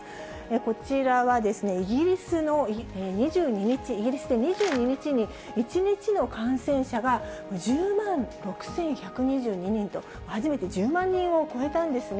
こちらはイギリスの２２日、イギリスで２２日に１日の感染者が１０万６１２２人と、初めて１０万人を超えたんですね。